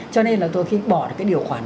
cho nên là tôi khi bỏ cái điều khoản